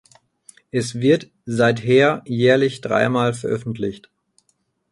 Es wird seither jährlich dreimal veröffentlicht.